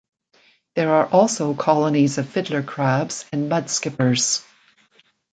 There are also colonies of fiddler crabs and mud-skippers.